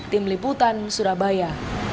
tim liputan surabaya